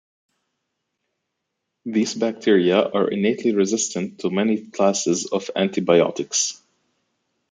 These bacteria are innately resistant to many classes of antibiotics.